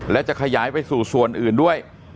และจะขยายไปสู่ส่วนอื่นด้วย